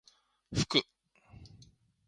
ふく